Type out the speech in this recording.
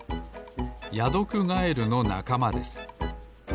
ヤドクガエルのなかまです。